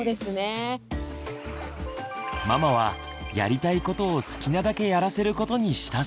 ママはやりたいことを好きなだけやらせることにしたそうです。